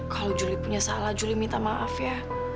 kalau julie punya salah julie minta maaf ya